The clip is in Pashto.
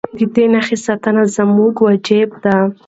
د دې نښې ساتنه زموږ وجیبه ده.